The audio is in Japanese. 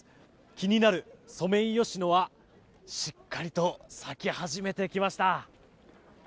気になるソメイヨシノはしっかりと咲き始めてきました。